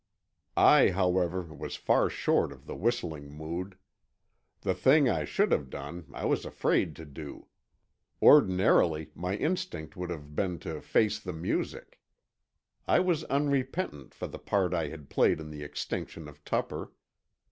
I, however, was far short of the whistling mood. The thing I should have done I was afraid to do. Ordinarily, my instinct would have been to face the music. I was unrepentant for the part I had played in the extinction of Tupper.